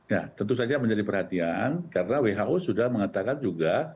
ya tentu saja menjadi perhatian karena who sudah mengatakan juga